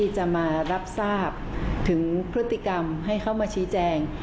จะทำให้เขามาชี้แจง